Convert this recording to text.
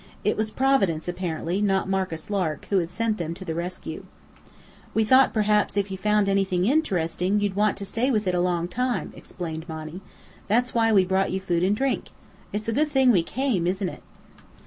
It was Providence, apparently, not Marcus Lark, who had sent them to the rescue. "We thought perhaps if you found anything interesting you'd want to stay with it a long time," explained Monny. "That's why we brought you food and drink. It is a good thing we came, isn't it?"